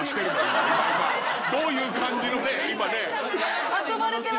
どういう感じのね今ね。